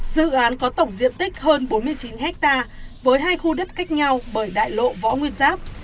dự án có tổng diện tích hơn bốn mươi chín ha với hai khu đất cách nhau bởi đại lộ võ nguyên giáp